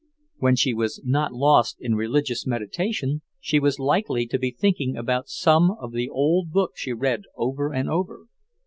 When she was not lost in religious meditation, she was likely to be thinking about some one of the old books she read over and over.